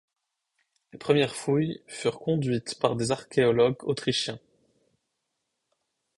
Les premières fouilles furent conduites par des archéologues autrichiens.